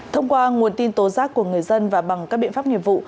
thông qua nguồn tin tố giác của người dân và bằng các biện pháp nghiệp vụ